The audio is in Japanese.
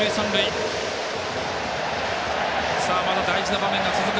まだ大事な場面が続く